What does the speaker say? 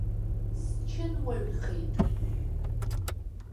Счынуаҩхеит!